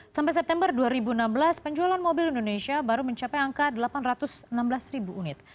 sampai september dua ribu enam belas penjualan mobil indonesia baru mencapai angka delapan ratus enam belas ribu unit